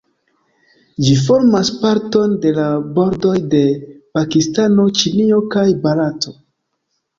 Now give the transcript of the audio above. Ĝi formas parton da la bordoj de Pakistano, Ĉinio, kaj Barato.